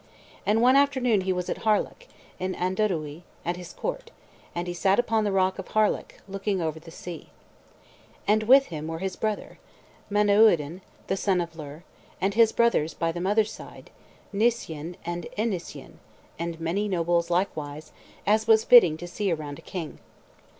And one afternoon he was at Harlech, in Ardudwy, at his court; and he sat upon the rock of Harlech, looking over the sea. And with him were his brother, Manawyddan, the son of Llyr, and his brothers by the mother's side, Nissyen and Evnissyen, and many nobles likewise, as was fitting to see around a king.